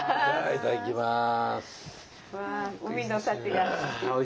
いただきます！